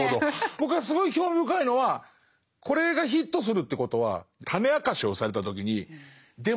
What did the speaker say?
僕がすごい興味深いのはこれがヒットするということは種明かしをされた時にでも何か分かるぞって。